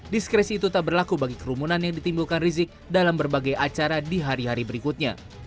diskresi itu tak berlaku bagi kerumunan yang ditimbulkan rizik dalam berbagai acara di hari hari berikutnya